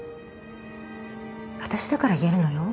私だから言えるのよ。